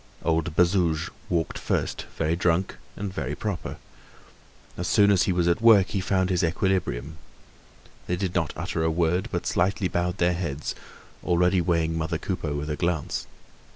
Old Bazouge walked first, very drunk and very proper. As soon as he was at work he found his equilibrium. They did not utter a word, but slightly bowed their heads, already weighing mother Coupeau with a glance.